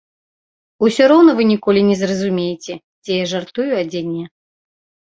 Усё роўна вы ніколі не зразумееце, дзе я жартую, а дзе не.